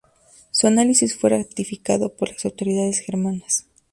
Su análisis fue ratificado por las autoridades germanas.